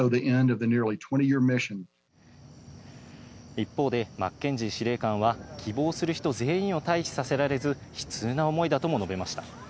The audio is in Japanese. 一方でマッケンジー司令官は希望する人全員を退避させられず悲痛な思いだとも述べました。